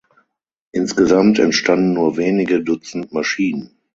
Insgesamt entstanden nur wenige Dutzend Maschinen.